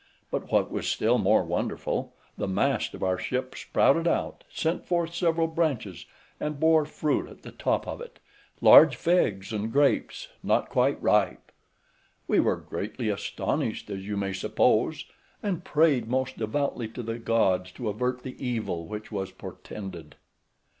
But what was still more wonderful, the mast of our ship sprouted out, sent forth several branches, and bore fruit at the top of it, large figs, and grapes not quite ripe. We were greatly astonished, as you may suppose, and prayed most devoutly to the gods to avert the evil which was portended.